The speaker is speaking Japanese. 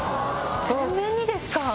全面にですか？